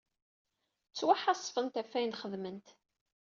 Ttwaḥasfent ɣef ayen xedment.